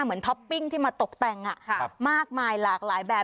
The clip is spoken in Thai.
ท็อปปิ้งที่มาตกแต่งมากมายหลากหลายแบบ